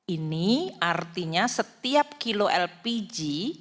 ini artinya setiap kilo lpg